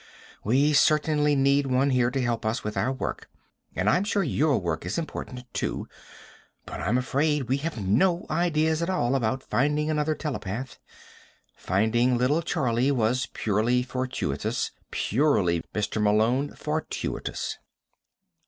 We certainly need one here to help us with our work and I'm sure that your work is important, too. But I'm afraid we have no ideas at all about finding another telepath. Finding little Charlie was purely fortuitous purely, Mr. Malone, fortuitous."